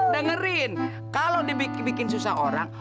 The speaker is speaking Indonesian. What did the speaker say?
dengerin kalau dibikin susah orang